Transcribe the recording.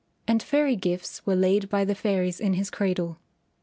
And fairy gifts were laid by the fairies in his cradle."